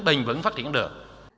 bình vẫn phát triển được